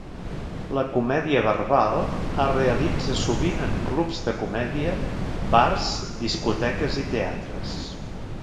La comèdia verbal es realitza sovint en clubs de comèdia, bars, discoteques i teatres.